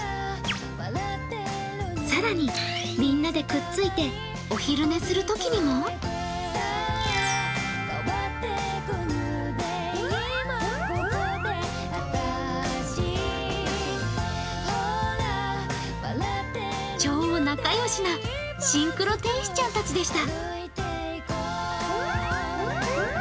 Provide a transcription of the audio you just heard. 更にみんなでくっついてお昼寝するときにも超仲良しなシンクロ天使ちゃんたちでした。